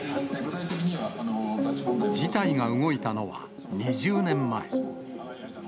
事態が動いたのは、２０年前。